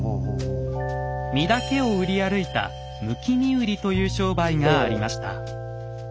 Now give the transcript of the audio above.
身だけを売り歩いた「むき身売り」という商売がありました。